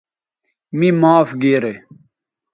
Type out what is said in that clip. می معاف گیرے